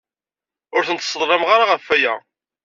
Ur tent-sseḍlameɣ ara ɣef waya.